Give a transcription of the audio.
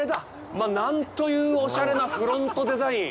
まあ、なんというおしゃれなフロントデザイン！